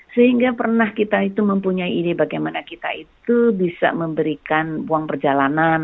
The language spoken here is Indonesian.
sehingga pernah kita itu mempunyai ide bagaimana kita itu bisa memberikan uang perjalanan